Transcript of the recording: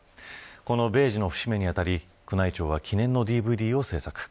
この米寿の節目にあたり宮内庁は記念のＤＶＤを制作。